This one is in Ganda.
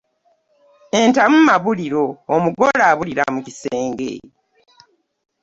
Entamu mabuliro omugole abulira mu kisenge .